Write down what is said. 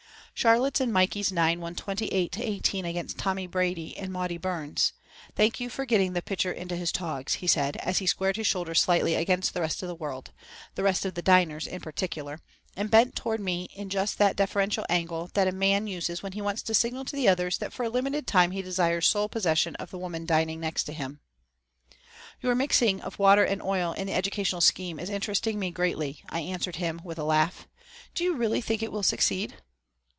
"Charlotte's and Mikey's nine won twenty eight to eighteen against Tommy Braidy and Maudie Burns. Thank you for getting the pitcher into his togs," he said, as he squared his shoulders slightly against the rest of the world, the rest of the diners in particular, and bent toward me in just that deferential angle that a man uses when he wants to signal to the others that for a limited time he desires sole possession of the woman dining next to him. "Your mixing of water and oil in the educational scheme is interesting me greatly," I answered him with a laugh. "Do you really think it will succeed?"